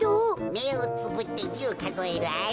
めをつぶって１０かぞえるアリ。